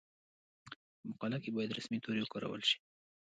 په مقاله کې باید رسمي توري وکارول شي.